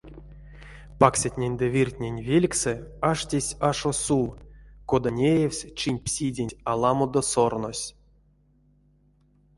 Паксятнень ды виртнень велькссэ аштесь ашо сув, кона неявсь чинь псиденть аламодо сорнось.